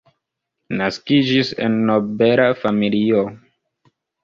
Naskiĝis en nobela familio.